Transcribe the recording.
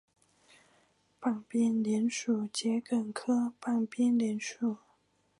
半边莲属桔梗科半边莲属。